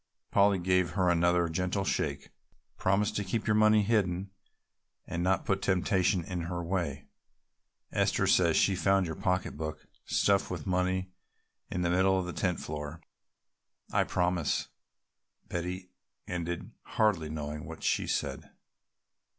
Polly gave her another gentle shake. "Promise to keep your money hidden and not put temptation in her way. Esther says she found your pocketbook stuffed with money in the middle of the tent floor." "I promise," Betty ended hardly knowing what she said.